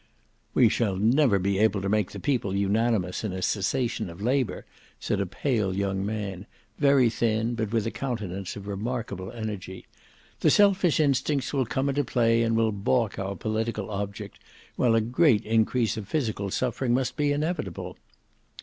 "We shall never be able to make the people unanimous in a cessation of labour," said a pale young man, very thin but with a countenance of remarkable energy. "The selfish instincts will come into play and will baulk our political object, while a great increase of physical suffering must be inevitable."